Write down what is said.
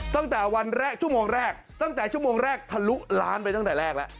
ตั้งแต่วันแรกชั่วโมงแรกตั้งแต่ชั่วโมงแรกทะลุล้านไปตั้งแต่แรกแล้ว